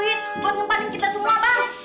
buat ngempalin kita semua bang